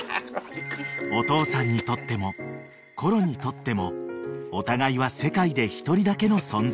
［お父さんにとってもコロにとってもお互いは世界で１人だけの存在］